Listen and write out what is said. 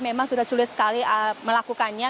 memang sudah sulit sekali melakukannya